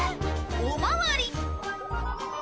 おまわり！